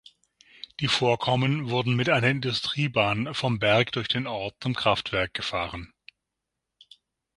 Die Vorkommen wurden mit einer Industriebahn vom Berg durch den Ort zum Kraftwerk gefahren.